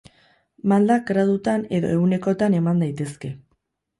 Maldak gradutan edo ehunekotan eman daitezke.